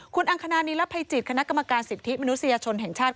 คุณอังคณานีรภัยจิตคณะกรรมการสิทธิมนุษยชนแห่งชาติ